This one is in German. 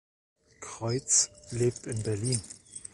Kreutz lebt in Berlin.